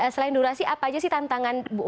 selain durasi apa aja sih tantangan untuk warga